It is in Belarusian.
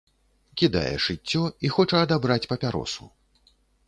Кідае шыццё і хоча адабраць папяросу.